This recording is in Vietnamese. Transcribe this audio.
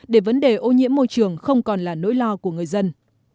để vấn đề ô nhiễm môi trường không còn là nỗi lo của người dân